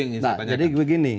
nah jadi begini